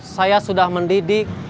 saya sudah mendidik